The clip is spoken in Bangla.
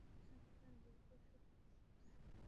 এখানকার বিল পরিশোধ করতে।